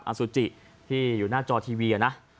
ตัวอย่างครับอสุจิที่อยู่หน้าจอทีวี